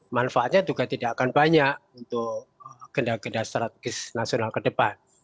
manfaatnya juga tidak akan banyak untuk agenda agenda strategis nasional ke depan